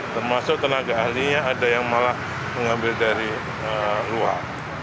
termasuk tenaga ahlinya ada yang malah mengambil dari luar